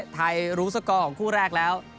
ไทยรู้สกอร์ของคู่แรกแล้ว